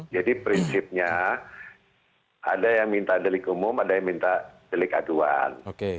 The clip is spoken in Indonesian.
jadi prinsipnya ada yang minta delik umum ada yang minta delik aduan